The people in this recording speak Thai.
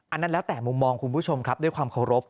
อันนั้นแล้วแต่มุมมองคุณผู้ชมครับด้วยความเคารพ